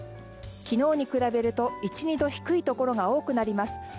昨日に比べると１２度低いところが多くなります。